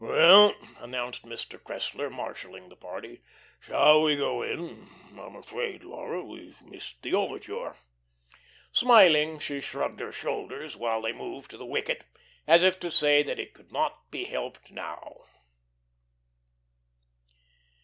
"Well," announced Mr. Cressler, marshalling the party, "shall we go in? I'm afraid, Laura, we've missed the overture." Smiling, she shrugged her shoulders, while they moved to the wicket, as if to say that it could not be helped now.